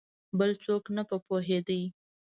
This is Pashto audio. بل څوک نه په پوهېدی !